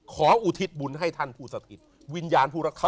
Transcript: อุทิศบุญให้ท่านผู้สถิตวิญญาณผู้รักษา